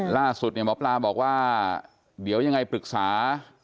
ล่าสุดเนี่ยหมอปลาบอกว่าเดี๋ยวยังไงปรึกษา